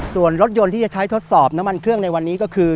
ส่วนรถยนต์ที่จะใช้ทดสอบน้ำมันเครื่องในวันนี้ก็คือ